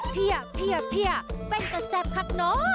เทียบเทียบเทียบเป็นกระแสบครับน้อ